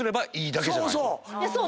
そう！